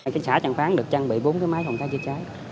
cái xã trạng phán được trang bị bốn cái máy phòng cháy chữa cháy